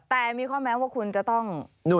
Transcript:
แต่มีข้อแม้ว่าคุณจะต้อง